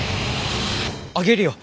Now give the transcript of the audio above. あげるよ。